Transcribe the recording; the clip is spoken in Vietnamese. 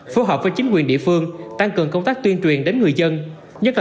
phù hợp với chính quyền địa phương tăng cường công tác tuyên truyền đến người dân